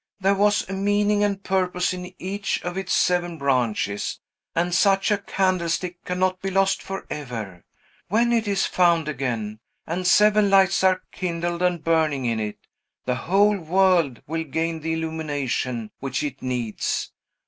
"There was a meaning and purpose in each of its seven branches, and such a candlestick cannot be lost forever. When it is found again, and seven lights are kindled and burning in it, the whole world will gain the illumination which it needs.